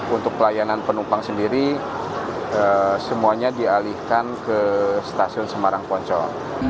untuk pelayanan penumpang sendiri semuanya dialihkan ke stasiun semarang poncol